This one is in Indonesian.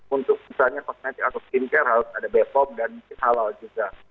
untuk misalnya kognitif atau skincare harus ada bepom dan halal juga